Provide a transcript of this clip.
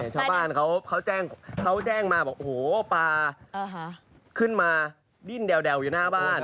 ชาวบ้านเขาแจ้งมาบอกโอ้โหปลาขึ้นมาดิ้นแดวอยู่หน้าบ้าน